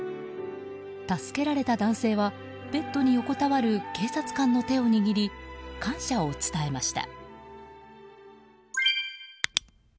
助けられた男性はベッドに横たわる警察官の手を握り感謝を伝えました。